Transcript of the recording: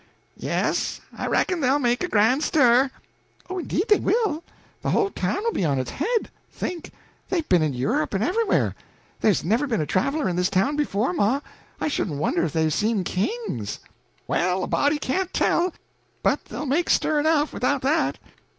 "Yes, I reckon they'll make a grand stir." "Oh, indeed they will. The whole town will be on its head! Think they've been in Europe and everywhere! There's never been a traveler in this town before. Ma, I shouldn't wonder if they've seen kings!" "Well, a body can't tell, but they'll make stir enough, without that."